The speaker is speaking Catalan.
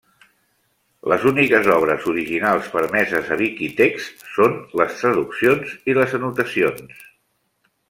Les úniques obres originals permeses a Viquitexts són les traduccions i les anotacions.